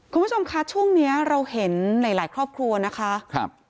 คุณผู้ชมคะช่วงเนี้ยเราเห็นหลายหลายครอบครัวนะคะครับ